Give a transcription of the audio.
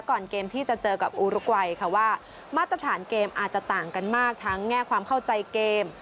ก่อนเกมที่จะเจอกับอูรุกวัยค่ะว่ามาตรฐานเกมอาจจะต่างกันมากทั้งแง่ความเข้าใจเกม